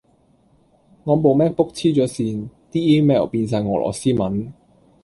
我部 MacBook 痴咗線，啲 email 變晒俄羅斯文